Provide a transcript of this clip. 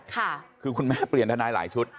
ค่ะคือคุณแม่เปลี่ยนทนายหลายชุด